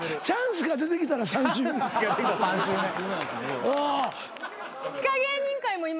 チャンスが出てきたら３週目。